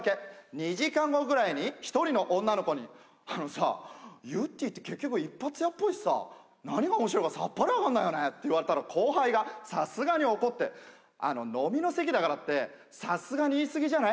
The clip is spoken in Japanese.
２時間後ぐらいに１人の女の子に「あのさゆってぃって結局一発屋っぽいしさ何が面白いかさっぱりわかんないよね」って言われたら後輩がさすがに怒って「あの飲みの席だからってさすがに言い過ぎじゃない？」